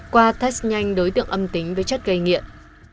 qua test nhanh đối tượng âm tính với chất gây nghiện